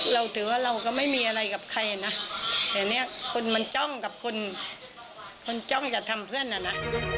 เราถือว่าเราก็ไม่มีอะไรกับใครนะแต่เนี่ยคนมันจ้องกับคนคนจ้องจะทำเพื่อนน่ะนะ